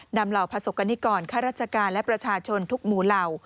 เหล่าประสบกรณิกรข้าราชการและประชาชนทุกหมู่เหล่า